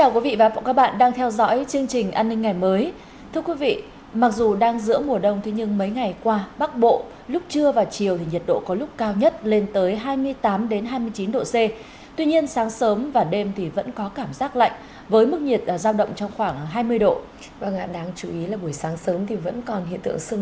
chào mừng quý vị đến với bộ phim hãy nhớ like share và đăng ký kênh của chúng mình nhé